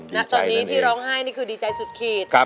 ณตอนนี้ที่ร้องไห้นี่คือดีใจสุดขีด